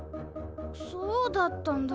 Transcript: そうだったんだ。